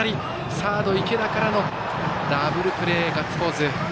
サード、池田からのダブルプレーガッツポーズ。